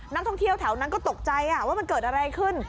นักท่องเที่ยวแถวนั้นก็ตกใจว่ามันเกิดอะไรขึ้น